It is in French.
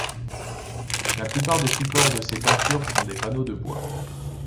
La plupart des supports de ces peintures sont des panneaux de bois.